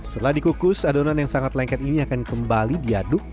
setelah dikukus adonan yang sangat lengket ini akan kembali diaduk